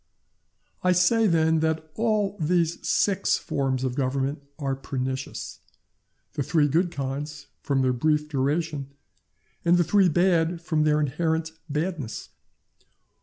I say, then, that all these six forms of government are pernicious—the three good kinds, from their brief duration the three bad, from their inherent badness.